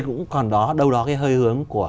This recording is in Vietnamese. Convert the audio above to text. cũng còn đó đâu đó cái hơi hướng của